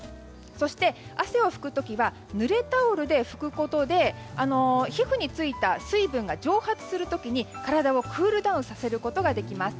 そして汗を拭くときはぬれタオルで拭くことで皮膚についた水分が蒸発する時に体をクールダウンさせることができます。